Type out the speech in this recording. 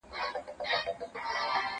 زه کولای سم ځواب وليکم؟؟